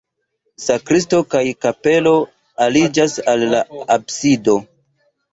Sakristio kaj kapelo aliĝas al la absido.